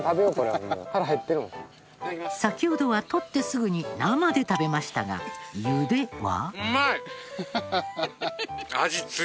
先ほどは獲ってすぐに生で食べましたが茹では？